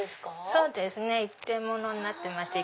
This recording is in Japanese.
そうです一点物になってまして。